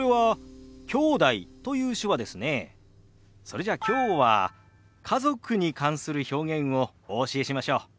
それじゃあきょうは家族に関する表現をお教えしましょう。